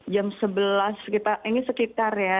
jam sebelas kita ini sekitar ya